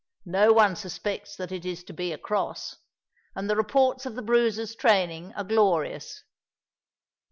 No one suspects that it is to be a cross; and the reports of the Bruiser's training are glorious."